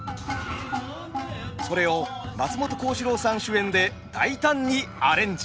それを松本幸四郎さん主演で大胆にアレンジ。